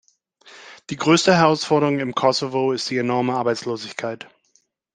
Die größte Herausforderung im Kosovo ist die enorme Arbeitslosigkeit.